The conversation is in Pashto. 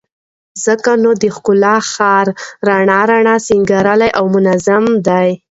ځکه نو د ښکلا ښار رڼا رڼا، سينګارلى او منظم دى